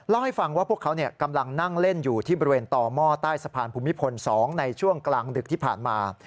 เล่าให้ฟังว่าพวกเขากำลังนั่งเล่นอยู่ที่บริเวณต่อหม้อใต้สะพานภูมิพล๒ในช่วงกลางดึกที่ผ่านมา